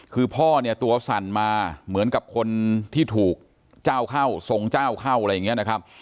คือพ่อเนี่ยตัวสั่นมาเหมือนกับคนที่ถูกเจ้าเข้าทรงเจ้าเข้าอะไรอย่างนี้นะครับ